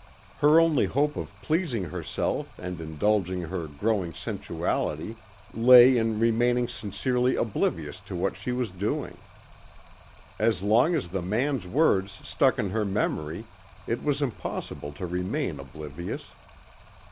Her only hope of pleasing herself and indulging her growing sensuality lay in remaining sincerely oblivious to what she was doing. As long as the man's words stuck in her memory it was impossible to remain oblivious.